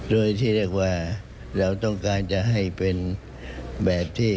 โดยที่เรียกว่าเราต้องการจะให้เป็นแบบที่